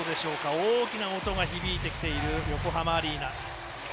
大きな音が響いてきている横浜アリーナ。